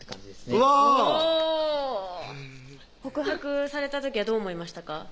おぉ告白された時はどう思いましたか？